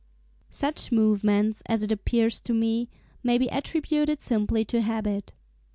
Such movements, as it appeirs to me, may be attributed simply to habit.